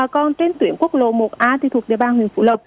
còn trên tuyển quốc lộ một a thì thuộc địa bàn huyện phủ lộc